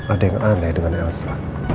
ada yang aneh dengan elsa